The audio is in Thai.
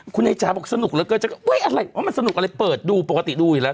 คุณไอ้จ๋าบอกสนุกเหลือเกินจะอุ๊ยอะไรวะมันสนุกอะไรเปิดดูปกติดูอยู่แล้ว